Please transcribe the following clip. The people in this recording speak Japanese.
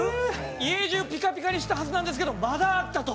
家中ピカピカにしたはずなんですけどまだあったと。